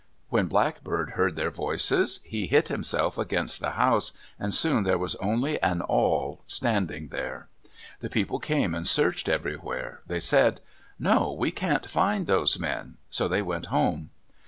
When Blackbird heard their voices, he hit himself against the house, and soon there was only an awl standing there. The people came and searched everywhere. They said, "No, we can't find those men," so they went home.